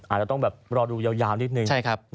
อาจจะต้องแบบรอดูยาวนิดนึง